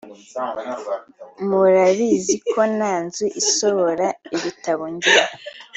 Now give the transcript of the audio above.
murabizi ko nta nzu isohora ibitabo ngira